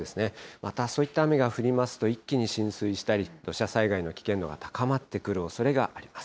またそういった雨が降りますと、一気に浸水したり、土砂災害の危険度が高まってくるおそれがあります。